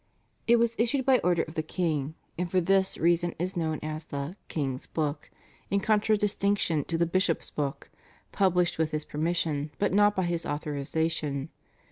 It was issued by order of the king, and for this reason is known as the /King's Book/ in contradistinction to the /Bishop's Book/, published with his permission but not by his authorisation.